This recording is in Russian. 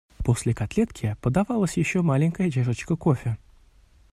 После котлетки подавалась еще маленькая чашечка кофе.